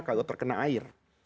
kalau terkena air